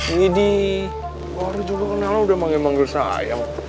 gw ini baru juga kenal lo udah manggil manggil sayang